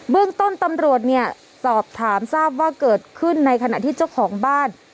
เรื่องต้นตำรวจเนี่ยสอบถามทราบว่าเกิดขึ้นในขณะที่เจ้าของบ้าน